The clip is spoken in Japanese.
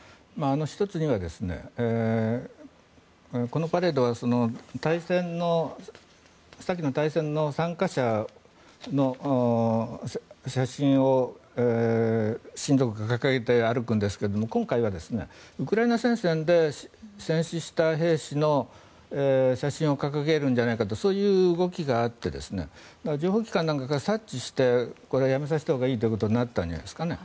１つにはこのパレードは先の大戦の参加者の写真を親族が掲げて歩くんですが今回はウクライナ戦線で戦死した兵士の写真を掲げるんじゃないかとそういう動きがあって情報機関なんかが察知してやめさせたほうがいいということになったんじゃないですかね。